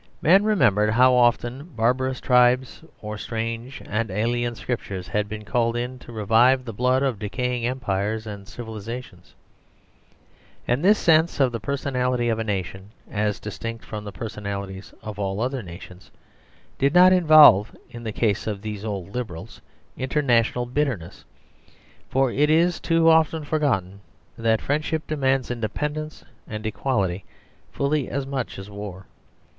Men remembered how often barbarous tribes or strange and alien Scriptures had been called in to revive the blood of decaying empires and civilisations. And this sense of the personality of a nation, as distinct from the personalities of all other nations, did not involve in the case of these old Liberals international bitterness; for it is too often forgotten that friendship demands independence and equality fully as much as war.